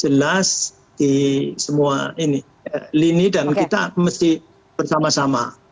jelas di semua lini dan kita mesti bersama sama